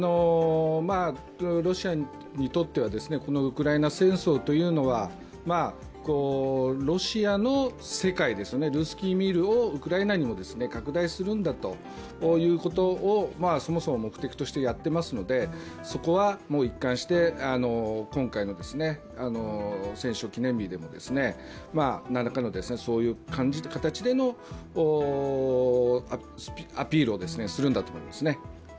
ロシアにとっては、このウクライナ戦争というのはロシアの世界ですよね、ルスキー・ミールをウクライナにも拡大するんだということをそもそも目的としてやっていますのでそこは一貫して、今回の戦勝記念日でも何らかの形でのアピールをするんだと思いますね。